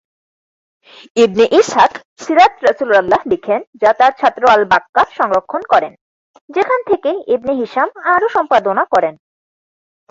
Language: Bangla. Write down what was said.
ইবনে ইসহাক "সীরাত রাসূল আল্লাহ" লিখেন যা তার ছাত্র আল-বাক্কা' সংরক্ষণ করেন, যেখান থেকে ইবনে হিশাম আরও সম্পাদনা করেন।